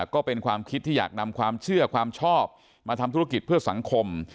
ก็เป็นความคิดที่อยากนำความเชื่อความชอบมาทำธุรกิจเพื่อสังคม